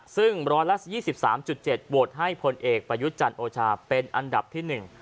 ซึ่งร้อยละ๒๓๗โหวตให้ผลเอกประยุจจันทร์โอชาฯเป็นอันดับที่๑